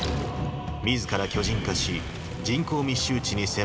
自ら巨人化し人口密集地に迫るロッド。